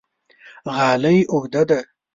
غالۍ اوږده ده